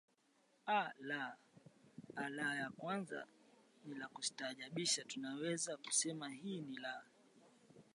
aa la kwanza na la kustaajabisha tunaweza kasema hii ni la